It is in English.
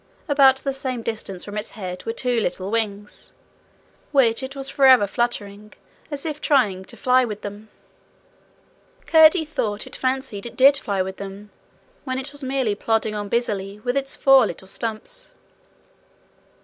About the same distance from its head were two little wings, which it was forever fluttering as if trying to fly with them. Curdie thought it fancied it did fly with them, when it was merely plodding on busily with its four little stumps.